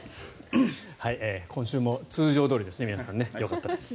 今週も通常どおりですね、皆さんよかったです。